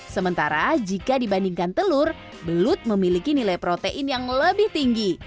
sementara jika dibandingkan telur belut memiliki nilai protein yang lebih tinggi